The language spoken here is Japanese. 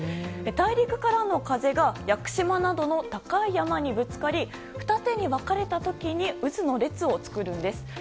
大陸からの風が屋久島などの高い山にぶつかり二手に分かれた時に渦の列を作るんです。